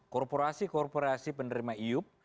korporasi korporasi penerima iup